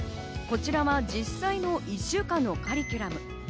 こちらは実際の１週間のカリキュラム。